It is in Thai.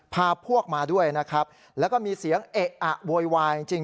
พาพวกมาด้วยนะครับแล้วก็มีเสียงเอะอะโวยวายจริง